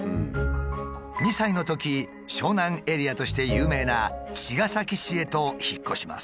２歳のとき湘南エリアとして有名な茅ヶ崎市へと引っ越します。